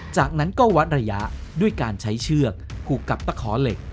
จากนั้นก็วัดระยะด้วยการใช้เชือกผูกกับตะขอเหล็ก